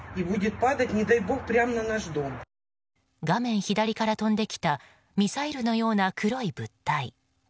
画面左から飛んできたミサイルのような黒い物体。